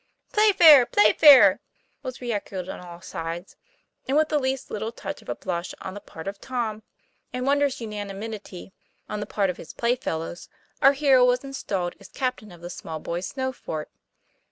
" "Playfair! Playfair!" was re echoed on all sides, and with the least little touch of a blush on the part of Tom, and wondrous unanimity on the part of his playfellows, our hero was installed as captain of the small boys' snow fort.